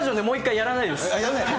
やらない？